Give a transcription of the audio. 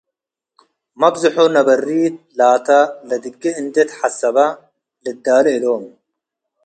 መብዝሑ ነበሪት ላታ ለድጌ እንዴ ተሐሰበ ልትዳሌ እሎም ።